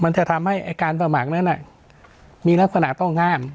มันจะทำให้ไอ้การสมัครนั้นน่ะมีลักษณะต้องห้าม